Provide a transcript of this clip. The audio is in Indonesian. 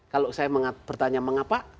kalau saya bertanya mengapa